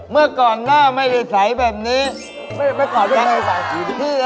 เมื่อก่อนแน่วไม่ได้สายแบบนี้